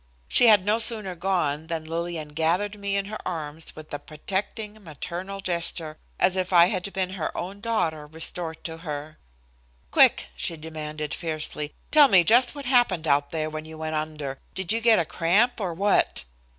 She had no sooner gone than Lillian gathered me in her arms with a protecting, maternal gesture, as if I had been her own daughter restored to her. "Quick," she demanded fiercely, "tell me just what happened out there when you went under. Did you get a cramp or what?"